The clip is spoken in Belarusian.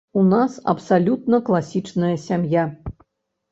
У нас абсалютна класічная сям'я.